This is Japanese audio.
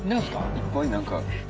いっぱい何か。